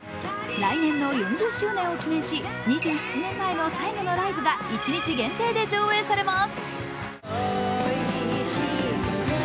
来年の４０周年を記念し、２７年前の最後のライブが一日限定で上映されます！